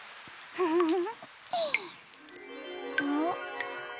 ウフフフ。